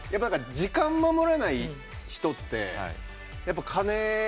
時間守らない人って金。